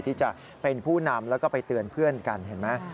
ที่จะเป็นผู้นำแล้วก็ไปเตือนเพื่อนกันเห็นไหม